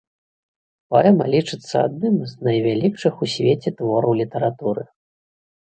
Паэма лічыцца адным з найвялікшых у свеце твораў літаратуры.